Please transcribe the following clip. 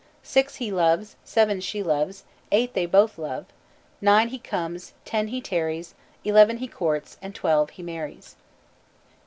Six he loves, Seven she loves, Eight they both love; Nine he comes, Ten he tarries, Eleven he courts, and Twelve he marries."